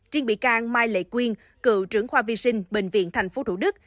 triên bị can mai lệ quyên cựu trưởng khoa vi sinh bệnh viện tp thủ đức